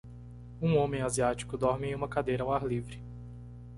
Um homem asiático dorme em uma cadeira ao ar livre.